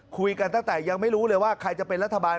คุยกันตั้งแต่ยังไม่รู้เลยว่าใครจะเป็นรัฐบาล